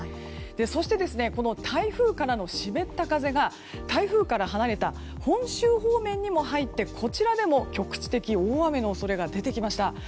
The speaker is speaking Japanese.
そして、台風からの湿った風が台風から離れた本州方面にも入ってこちらでも局地的大雨の恐れが出てきました。